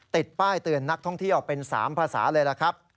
ติดป้ายเตือนนักท่องเที่ยวเป็น๓ภาษาเลยล่ะครับ